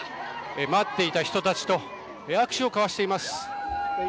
待っていた人たちと握手を交わしています。